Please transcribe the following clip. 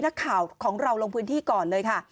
นักข่าวของเราลงพื้นที่ก่อนเลยค่ะ